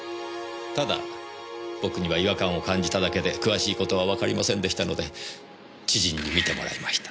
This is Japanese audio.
ただ僕には違和感を感じただけで詳しいことはわかりませんでしたので知人に見てもらいました。